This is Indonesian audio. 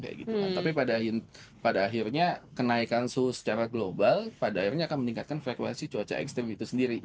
tapi pada akhirnya kenaikan suhu secara global pada akhirnya akan meningkatkan frekuensi cuaca ekstrim itu sendiri